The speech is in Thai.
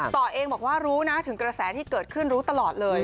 ต่อเองบอกว่ารู้นะถึงกระแสที่เกิดขึ้นรู้ตลอดเลย